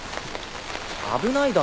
危ないだろ。